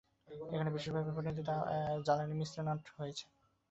এখানে বিশেষভাবে প্রণীত আপনার জ্বালানী মিশ্রণট রয়েছে।